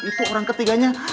itu orang ketiganya